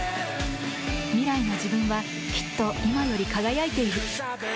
未来の自分はきっと今より輝いている。